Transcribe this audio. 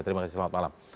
terima kasih selamat malam